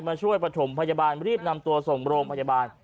ช่วยประถมพยาบาลรีบนำตัวส่งโรงพยาบาล